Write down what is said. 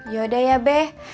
yaudah ya be